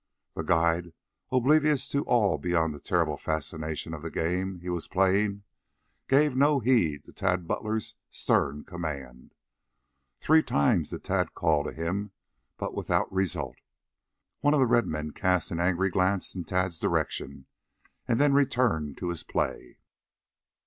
The guide, oblivious to all beyond the terrible fascination of the game he was playing, gave no heed to Tad Butler's stern command. Three times did Tad call to him, but without result. One of the red men cast an angry glance in the Tad's direction, and then returned to his play.